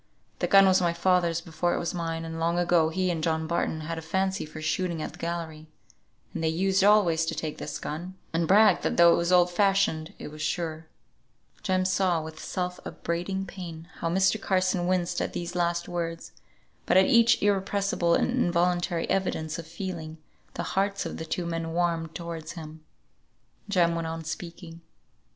The gun was my father's before it was mine, and long ago he and John Barton had a fancy for shooting at the gallery; and they used always to take this gun, and brag that though it was old fashioned it was sure." Jem saw with self upbraiding pain how Mr. Carson winced at these last words, but at each irrepressible and involuntary evidence of feeling, the hearts of the two men warmed towards him. Jem went on speaking.